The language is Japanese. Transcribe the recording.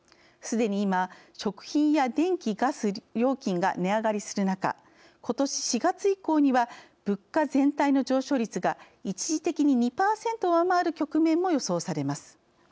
すでに今食品や電気・ガス料金が値上がりする中ことし４月以降には物価全体の上昇率が一時的に２％を上回る局面も予想されます。